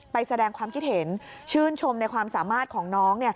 ไปแสดงความคิดเห็นชื่นชมในความสามารถของน้อง